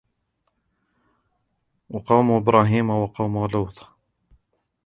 وقوم إبراهيم وقوم لوط